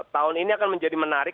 tahun ini akan menjadi menarik